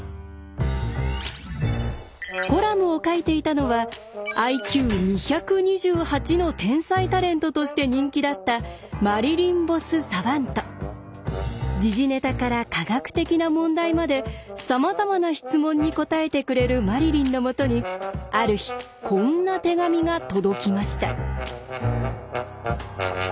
コラムを書いていたのはＩＱ２２８の天才タレントとして人気だった時事ネタから科学的な問題までさまざまな質問に答えてくれるマリリンのもとにある日こんな手紙が届きました。